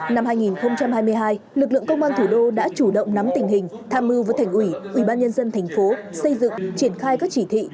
năm hai nghìn hai mươi hai lực lượng công an thủ đô đã chủ động nắm tình hình tham mưu với thành ủy ủy ban nhân dân thành phố xây dựng triển khai các chỉ thị